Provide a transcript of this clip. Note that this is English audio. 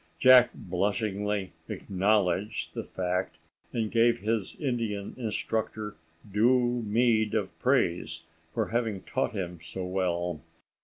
Jack blushingly acknowledged the fact, and gave his Indian instructor due meed of praise for having taught him so well.